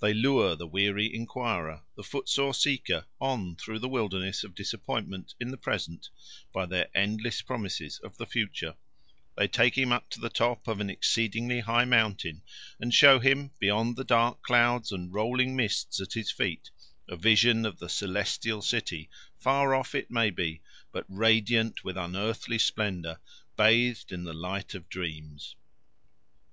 They lure the weary enquirer, the footsore seeker, on through the wilderness of disappointment in the present by their endless promises of the future: they take him up to the top of an exceeding high mountain and show him, beyond the dark clouds and rolling mists at his feet, a vision of the celestial city, far off, it may be, but radiant with unearthly splendour, bathed in the light of dreams.